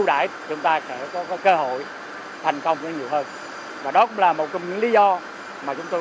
để chúng ta sẽ có cơ hội thành công nhiều hơn và đó cũng là một trong những lý do mà chúng tôi